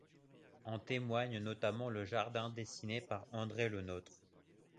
En témoigne notamment le jardin, dessiné par André Le Nôtre.